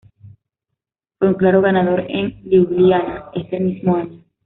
Fue un claro ganador en Liubliana ese mismo año.